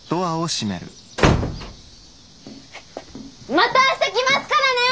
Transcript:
また明日来ますからねー！